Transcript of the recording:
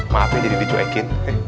maaf ya jadi dicuekin